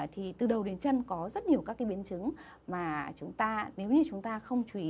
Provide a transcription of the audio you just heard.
thì từ đầu đến chân có rất nhiều các biến chứng mà nếu như chúng ta không chú ý